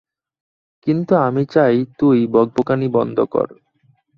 কিন্তু আমি চাই তুই বকবকানি বন্ধ কর।